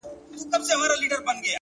هره ستونزه نوی مهارت زېږوي!